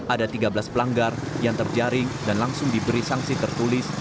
ada tiga belas pelanggar yang terjaring dan langsung diberi sanksi tertulis